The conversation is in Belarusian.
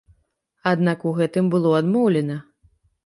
Аднак у гэтым было адмоўлена.